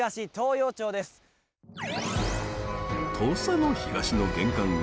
土佐の東の玄関口